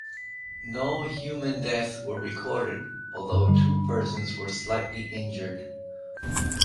No human deaths were recorded, although two persons were slightly injured.